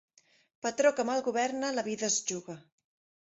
Patró que mal governa, la vida es juga.